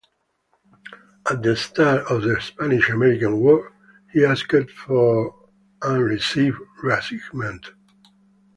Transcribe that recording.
At the start of the Spanish-American War, he asked for and received reassignment.